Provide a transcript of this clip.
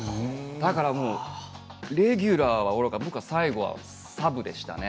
だからレギュラーはおろか、僕は最後はサブでしたね。